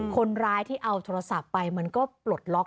คนร้ายที่เอาโทรศัพท์ไปมันก็ปลดล็อก